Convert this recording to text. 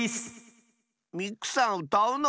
ミクさんうたうの？